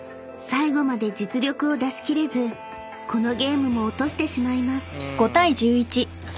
［最後まで実力を出し切れずこのゲームも落としてしまいます］